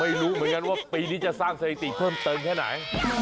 ไม่รู้เหมือนกันว่าปีนี้จะสร้างสถิติเพิ่มเติมแค่ไหน